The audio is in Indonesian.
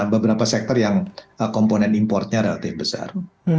beberapa sektor yang komponen importnya relatif besar